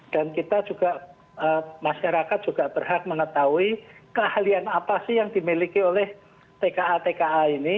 kita juga masyarakat juga berhak mengetahui keahlian apa sih yang dimiliki oleh tka tka ini